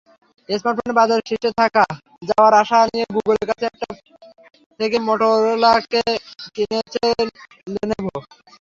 স্মার্টফোনের বাজারে শীর্ষে যাওয়ার আশা নিয়ে গুগলের কাছ থেকে মটোরোলাকে কিনেছিল লেনোভো।